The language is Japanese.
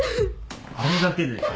あれだけでかよ。